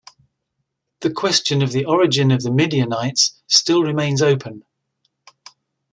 The question of the origin of the Midianites still remains open.